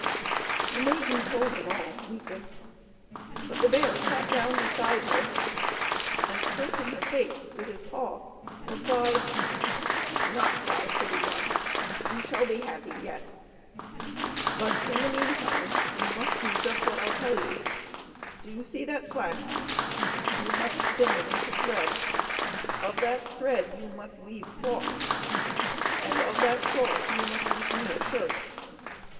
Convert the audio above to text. The maiden told him all, weeping; but the bear sat down beside her, and stroking her face with his paw, replied: "Do not cry, pretty one; you shall be happy yet. But in the meantime you must do just what I tell you. Do you see that flax? You must spin it into thread; of that thread you must weave cloth, and of that cloth you must make me a shirt.